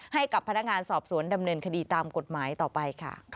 ให้กับพนักงานสอบสวนดำเนินคดีตามกฎหมายต่อไปค่ะ